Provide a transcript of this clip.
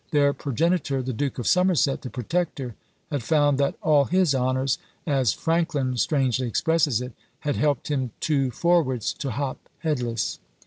Their progenitor, the Duke of Somerset the Protector, had found that "all his honours," as Frankland strangely expresses it, "had helped him too forwards to hop headless."